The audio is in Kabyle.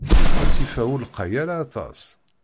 Asif-a ur lqay ara aṭas.